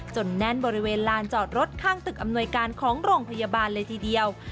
แน่นบริเวณลานจอดรถข้างตึกอำนวยการของโรงพยาบาลเลยทีเดียว